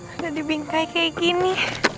ada di bingkai kayak gini